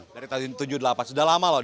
dari tahun tujuh puluh delapan sudah lama loh